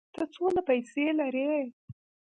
ته څونه پېسې لرې؟